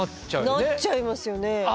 なっちゃいますよね。